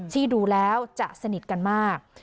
ที่ดูแล้วจะสนิทกันมาก